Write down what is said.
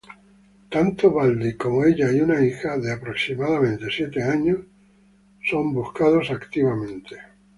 Tanto Baldi, como ella y una hija de aproximadamente siete años son buscados activamente".